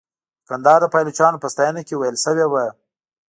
د کندهار د پایلوچانو په ستاینه کې ویل شوې وه.